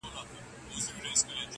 ته لږه ایسته سه چي ما وویني.